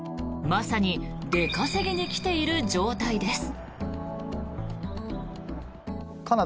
まさに出稼ぎに来ている状態です。